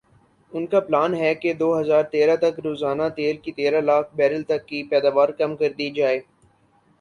ان کا پلان ھے کہ دو ہزار تیرہ تک روزانہ تیل کی تیرہ لاکھ بیرل تک کی پیداوار کم کر دی جائے